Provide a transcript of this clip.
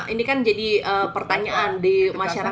ini kan jadi pertanyaan di masyarakat